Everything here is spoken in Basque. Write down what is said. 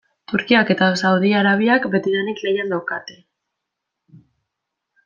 Turkiak eta Saudi Arabiak betidanik lehian daukate.